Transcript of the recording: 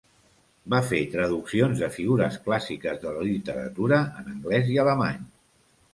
Va fer traduccions de figures clàssiques de la literatura en anglès i alemany.